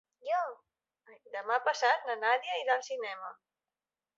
Demà passat na Nàdia irà al cinema.